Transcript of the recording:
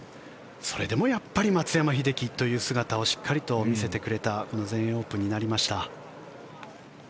それでもやっぱり松山英樹という姿をしっかり見せてくれたこの全英オープンになりました。